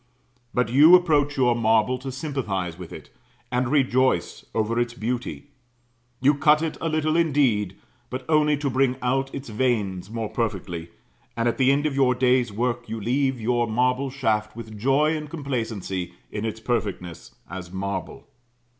But you approach your marble to sympathize with it, and rejoice over its beauty. You cut it a little indeed; but only to bring out its veins more perfectly; and at the end of your day's work you leave your marble shaft with joy and complacency in its perfectness, as marble.